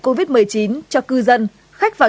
covid một mươi chín cho cư dân khách vào